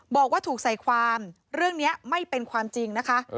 บอกว่าถูกใส่ความเรื่องนี้ไม่เป็นความจริงนะคะ